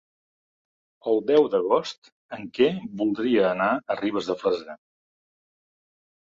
El deu d'agost en Quer voldria anar a Ribes de Freser.